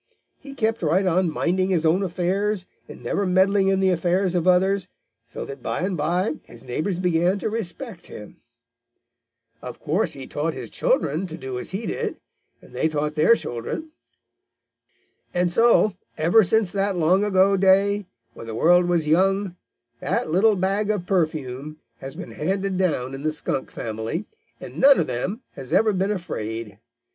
He kept right on minding his own affairs and never meddling in the affairs of others, so that by and by his neighbors began to respect him. "Of course he taught his children to do as he did, and they taught their children. And so, ever since that long ago day, when the world was young, that little bag of perfume has been handed down in the Skunk family, and none of them has ever been afraid.